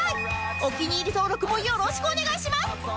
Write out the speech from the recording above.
お気に入り登録もよろしくお願いします